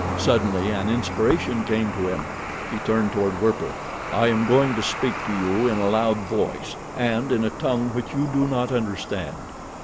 Suddenly an inspiration came to him. He turned toward Werper. "I am going to speak to you in a loud voice and in a tongue which you do not understand.